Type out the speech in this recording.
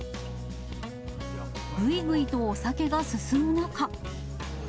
ぐいぐいとお酒が進む中。